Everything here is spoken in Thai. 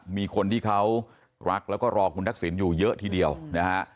มีคนที่เขารักแล้วก็รอคุณทักษิณอยู่เยอะทีเดียวนะฮะ